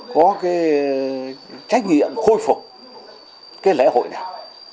có cái trách nhiệm khôi phục cái lễ hội này